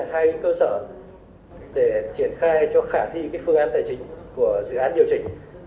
thì đây là hai cơ sở để triển khai cho khả thi cái phương án tài trình của dự án điều chỉnh